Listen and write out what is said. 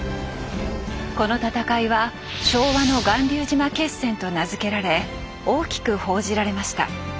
この戦いは「昭和の巌流島決戦」と名付けられ大きく報じられました。